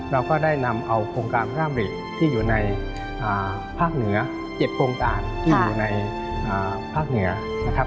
เราก็ได้นำเอาโครงการพระอำริที่อยู่ในภาคเหนือ๗โครงการที่อยู่ในภาคเหนือนะครับ